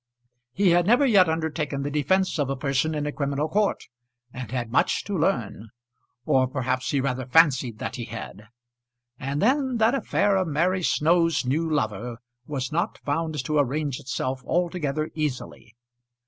He had never yet undertaken the defence of a person in a criminal court, and had much to learn, or perhaps he rather fancied that he had. And then that affair of Mary Snow's new lover was not found to arrange itself altogether easily.